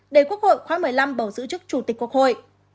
để quốc hội khóa một mươi năm bầu giữ chức chủ tịch quốc hội